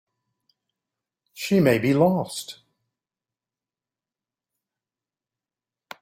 She may be lost.